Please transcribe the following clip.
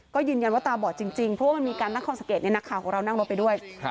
ก็ยืนยันว่าตาบอดจริงเพราะว่ามันมีการนครสังเกตนักข่าวของเรานั่งรถไปด้วย